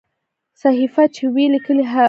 صحیفه چې وي لیکلې هومره ښه ده.